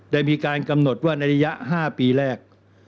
ได้มีการกำหนดว่าในระยะ๕ปีแรก